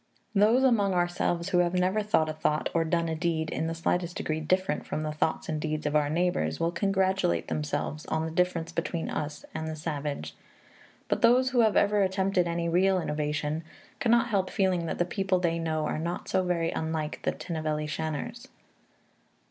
Those among ourselves who have never thought a thought or done a deed in the slightest degree different from the thoughts and deeds of our neighbors will congratulate themselves on the difference between us and the savage. But those who have ever attempted any real innovation cannot help feeling that the people they know are not so very unlike the Tinnevelly Shanars.